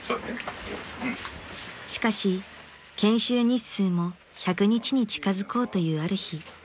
［しかし研修日数も１００日に近づこうというある日］